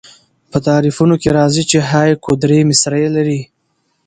په تعریفونو کښي راځي، چي هایکو درې مصرۍ لري.